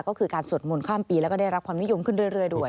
ก็คือการสวดมนต์ข้ามปีแล้วก็ได้รับความนิยมขึ้นเรื่อยด้วย